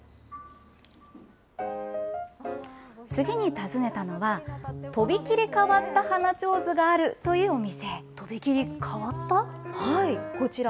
次に訪ねたのは、飛び切り変わった花ちょうずがあるというお店。